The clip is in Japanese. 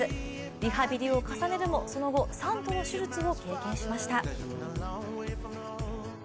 リハビリを重ねるも、その後、３度の手術を経験しました。